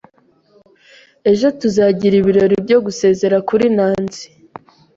Ejo tuzagira ibirori byo gusezera kuri Nancy.